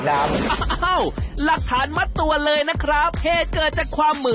ห้าเฮ่ยก็ไม่ได้หาออกมา